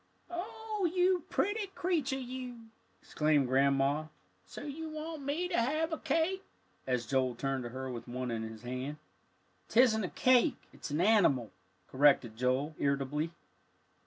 "Oh, you pretty creature you!" exclaimed Grandma. "So you want me to have a cake?" as Joel turned to her with one in his hand. "Tisn't a cake it's an animal," corrected Joel, irritably.